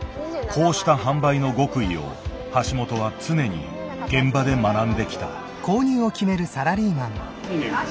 こうした販売の極意を橋本は常に現場で学んできた。